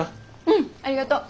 うんありがとう。